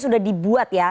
sudah dibuat ya